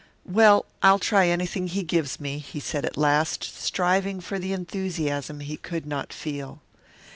"Well, I'll try anything he gives me," he said at last, striving for the enthusiasm he could not feel.